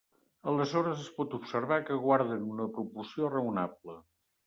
Aleshores es pot observar que guarden una proporció raonable.